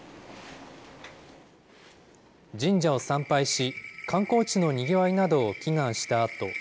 神社を参拝し、観光地のにぎわいなどを祈願したあと。